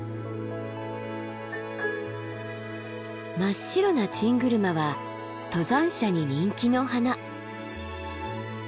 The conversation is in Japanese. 真っ白なチングルマは登山者に人気の花。